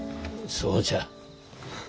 そうじゃ。